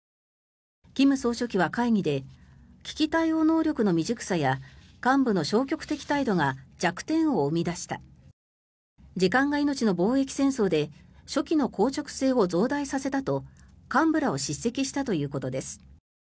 金総書記は会議で危機対応能力の未熟さや幹部の消極的態度が弱点を生み出した時間が命の防疫戦争で初期の硬直性を増大させたと幹部らを叱責したということです。